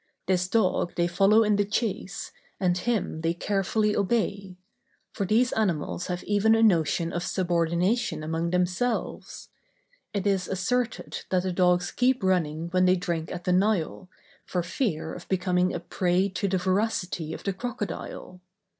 This dog they follow in the chase, and him they carefully obey; for these animals have even a notion of subordination among themselves. It is asserted that the dogs keep running when they drink at the Nile, for fear of becoming a prey to the voracity of the crocodile.